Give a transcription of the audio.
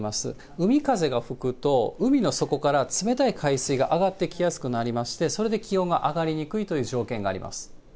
海風が吹くと、海の底から冷たい海水が上がってきやすくなりまして、それで気温が上がりにくいという条件があります。